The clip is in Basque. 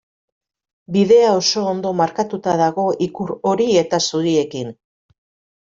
Bidea oso ondo markatuta dago ikur hori eta zuriekin.